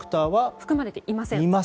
含まれていません。